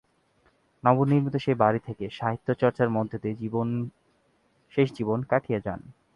নবনির্মিত সেই বাড়িতে থেকে সাহিত্য চর্চার মধ্যদিয়ে শেষ জীবন কাটিয়ে যান।